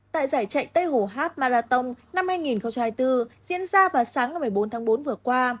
tại giải chạy tây hồ hap marathon năm hai nghìn hai mươi bốn diễn ra vào sáng ngày một mươi bốn tháng bốn vừa qua